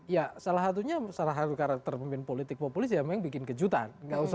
ya salah satunya salah satu karakter pemimpin politik populis ya memang bikin kejutan